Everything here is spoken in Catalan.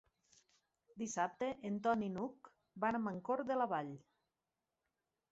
Dissabte en Ton i n'Hug van a Mancor de la Vall.